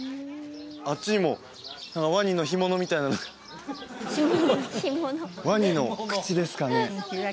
あっちにもワニの干物みたいなのワニの口ですかね？